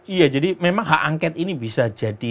iya jadi memang hak angket ini bisa jadi